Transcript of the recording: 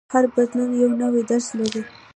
هر بدلون یو نوی درس لري.